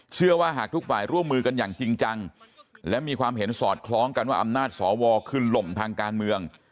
เชื่อว่าหากทุกฝ่ายร่วมมือกันอย่างจริงจังและมีความเห็นสอดคล้องกันว่าอำนาจสวคือหล่มทางการเมือง